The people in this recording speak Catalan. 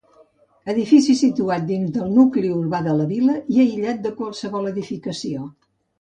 Edifici situat dins del nucli urbà de la vila i aïllat de qualsevol edificació.